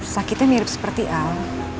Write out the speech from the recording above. sakitnya mirip seperti al